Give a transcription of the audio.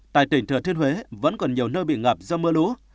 tại tỉnh thừa thiên huế vẫn còn nhiều nơi bị ngập do mưa lũ